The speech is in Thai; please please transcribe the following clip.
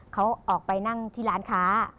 เขาออกไปนั่งที่ร้านค้า